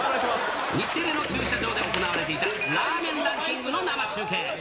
日テレの駐車場で行われていた、ラーメンランキングの生中継。